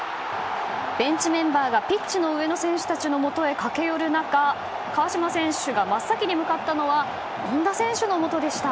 ベンチメンバーがピッチの上の選手たちのもとへ駆け寄る中、川島選手が真っ先に向かったのは権田選手のもとでした。